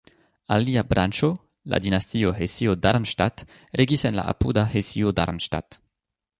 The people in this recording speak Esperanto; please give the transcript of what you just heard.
Alia branĉo, la dinastio Hesio-Darmstadt regis en la apuda Hesio-Darmstadt.